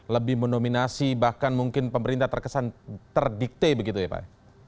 lebih mendominasi bahkan mungkin pemerintah terkesan terdikte begitu ya pak